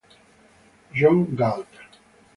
John Galt